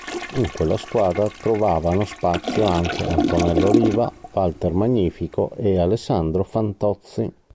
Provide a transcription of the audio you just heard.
In quella squadra trovavano spazio anche Antonello Riva, Walter Magnifico e Alessandro Fantozzi.